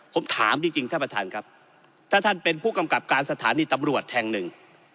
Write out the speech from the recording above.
ผมถามจริงท่านประธานครับถ้าท่านเป็นผู้กำกับการสถานีตำรวจแห่งหนึ่ง